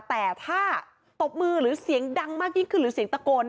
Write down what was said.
แต่ถ้าตบมือหรือเสียงดังมากยิ่งขึ้นหรือเสียงตะโกน